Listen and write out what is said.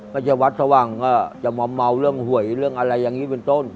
ก็จะวัดสว่างก็จะมาเมาเรื่องหวยเรื่องอะไรอย่างนี้เป็นต้น